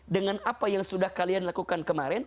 dengan apa yang sudah kalian lakukan kemarin